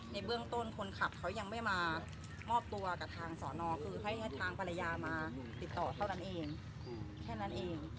ในเบื้องต้นคนขับเขายังไม่มามอบตัวกับทางสอนอคือให้ทางภรรยามาติดต่อเท่านั้นเองแค่นั้นเอง